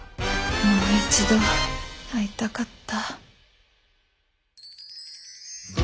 もう一度会いたかった。